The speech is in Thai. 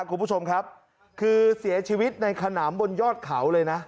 คุณผู้ชมครับคือเสียชีวิตในขนามบนยอดเขาเลยนะ